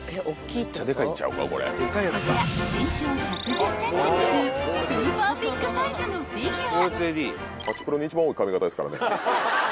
［こちら身長１１０ｃｍもあるスーパービッグサイズのフィギュア］